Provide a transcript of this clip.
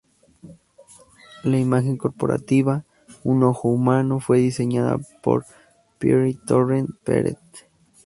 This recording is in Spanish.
La imagen corporativa, un ojo humano, fue diseñada por Pere Torrent Peret.